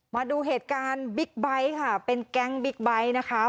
มาดูเหตุการณ์บิ๊กไบท์ค่ะเป็นแก๊งบิ๊กไบท์นะคะ